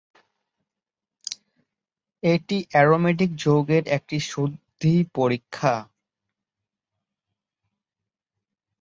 এটি অ্যারোমেটিক যৌগের একটি শুদ্ধি পরীক্ষা।